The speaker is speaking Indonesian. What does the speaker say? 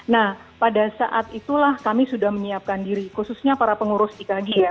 nah pada saat itulah kami sudah menyiapkan diri khususnya para pengurus ikg ya